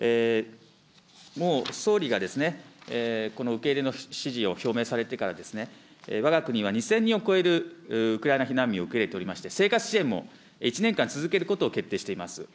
もう総理がこの受け入れの指示を表明されてから、わが国は２０００人を超えるウクライナ避難民を受け入れておりまして、生活支援も１年間続けることを決定しております。